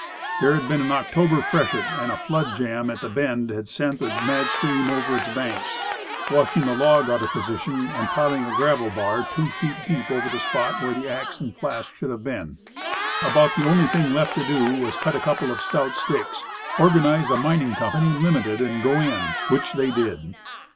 There had been an October freshet, and a flood jam at the bend had sent the mad stream over its banks, washing the log out of position and piling a gravel bar two feet deep over the spot where the axe and flask should have been. About the only thing left to do was to cut a couple of stout sticks, organize a mining company, limited, and go in; which they did.